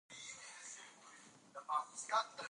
لوگر د افغان ماشومانو د لوبو موضوع ده.